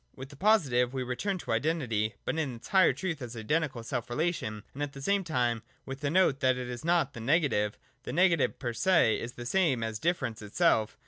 (i) With the positive we return to identity, but in its higher truth as identical self relation, and at the same time with the note that it is not the negative. The negative per se is the same as difference itself.